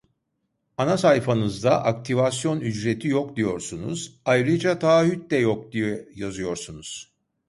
Ana sayfanızda aktivasyon ücreti yok diyorsunuz. Ayrıca taahhüt de yok diye yazıyorsunuz.